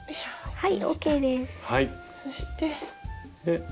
はい。